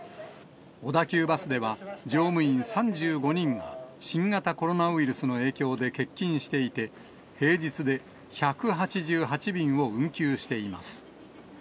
小田急バスでは、乗務員３５人が新型コロナウイルスの影響で欠勤していて、平日で１８８便を運休しています。